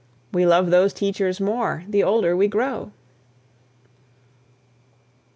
We love those teachers more the older we grow.